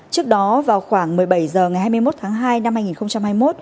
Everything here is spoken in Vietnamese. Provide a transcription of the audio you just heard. trước đó vào khoảng một mươi bảy h ngày hai mươi một tháng hai năm hai nghìn hai mươi một